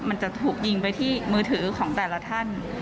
มันจะถูกยิงไปที่มือถือของแต่ละท่าน